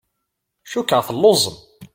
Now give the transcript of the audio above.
Cukkeɣ telluẓem.